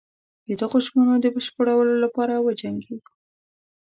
د دغو ژمنو د بشپړولو لپاره وجنګیږو.